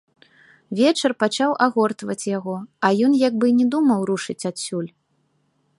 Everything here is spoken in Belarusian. Вечар пачаў агортваць яго, а ён як бы і не думаў рушыць адсюль.